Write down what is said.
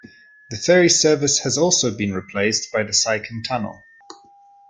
The ferry service has also been replaced by the Seikan Tunnel.